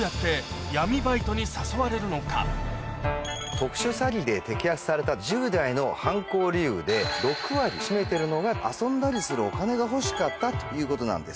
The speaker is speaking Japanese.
特殊詐欺で摘発された１０代の犯行理由で６割占めてるのが遊んだりするお金が欲しかったということなんです。